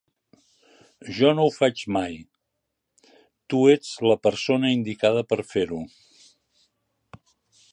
Jo no ho faig mai; tu ets la persona indicada per fer-ho.